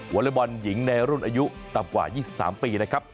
อเล็กบอลหญิงในรุ่นอายุต่ำกว่า๒๓ปีนะครับ